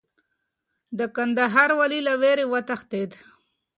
د کندهار والي له ویرې وتښتېد.